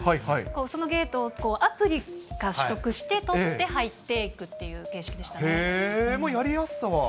そのゲートをアプリ取得して取って入っていくっていう形式でしたもう、やりやすさは？